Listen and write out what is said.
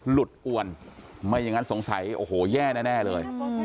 หลุดอวนไม่อย่างนั้นสงสัยโอ้โหแย่แน่เลย